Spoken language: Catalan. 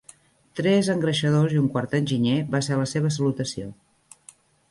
Tres engreixadors i un quart enginyer, va ser la seva salutació.